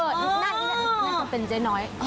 น่าจะเป็นเจ๊น้อย